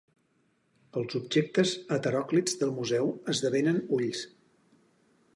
Els objectes heteròclits del museu esdevenen ulls.